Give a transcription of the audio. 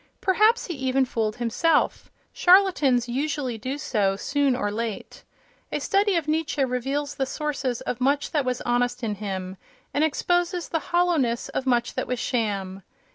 Perhaps he even fooled himself; charlatans usually do so soon or late. A study of Nietzsche reveals the sources of much that was honest in him, and exposes the hollowness of much that was sham.